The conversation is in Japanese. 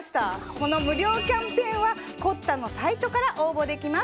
この無料キャンペーンはコッタのサイトから応募できます。